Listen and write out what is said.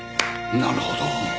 なるほど。